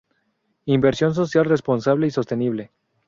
Inversión Social Responsable y Sostenible.